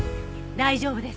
大丈夫です。